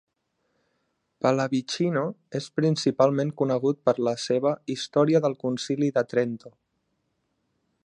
Pallavicino és principalment conegut per la seva "Història del Concili de Trento".